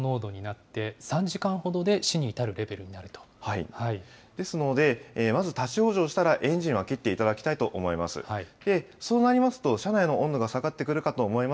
２０分ほどで最高濃度になって、３時間ほどで死に至るレベルですので、まず立往生したらエンジンは切っていただきたいと思います。